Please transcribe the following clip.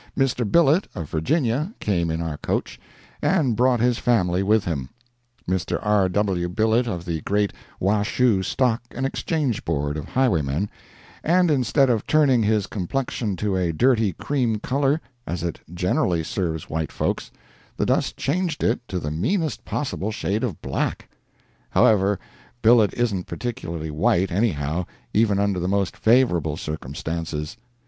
Mr. Billet, of Virginia, came in our coach, and brought his family with him—Mr. R. W. Billet of the great Washoe Stock and Exchange Board of Highwaymen—and instead of turning his complexion to a dirty cream color, as it generally serves white folks, the dust changed it to the meanest possible shade of black: however, Billet isn't particularly white, anyhow, even under the most favorable circumstances.